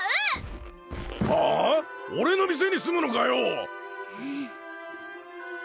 俺の店に住むのかよ！